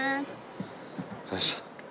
よいしょ。